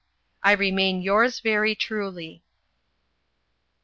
"I remain yours very truly."